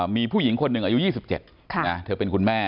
มีผู้หญิงคนหนึ่งอายุ๒๗เธอเป็นคุณแม่